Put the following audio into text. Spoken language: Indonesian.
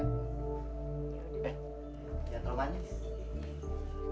eh jangan terlalu manis